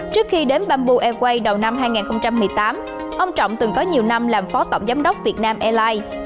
trước khi đến bamboo airways đầu năm hai nghìn một mươi tám ông trọng từng có nhiều năm làm phó tổng giám đốc việt nam airlines